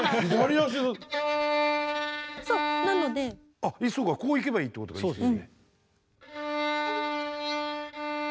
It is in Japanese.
あっそうかこう行けばいいってこと。ですよね。